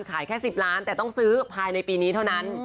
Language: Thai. ขายแค่๑๐ล้านแต่ต้องซื้อภายในปีนี้เท่านั้น